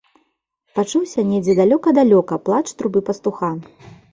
Пачуўся недзе далёка-далёка плач трубы пастуха.